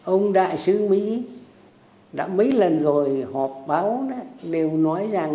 ông đại sứ mỹ đã mấy lần rồi họp báo đều nói rằng